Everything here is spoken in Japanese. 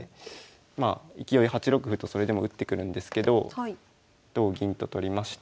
まあ勢い８六歩とそれでも打ってくるんですけど同銀と取りまして。